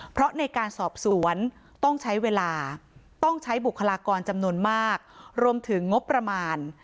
เพราะในการสอบสวนต้องใช้เวลาต้องใช้บุคลากรจำนวนมากรวมถึงงบประมาณ